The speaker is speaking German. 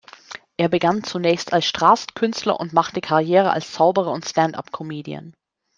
Er begann zunächst als Straßenkünstler und machte Karriere als Zauberer und Stand-Up Comedian.